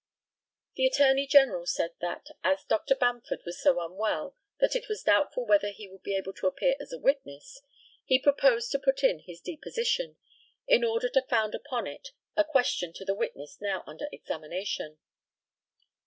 The ATTORNEY GENERAL said that, as Dr. Bamford was so unwell that it was doubtful whether he would be able to appear as a witness, he proposed to put in his deposition, in order to found upon it a question to the witness now under examination.